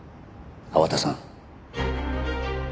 粟田さん。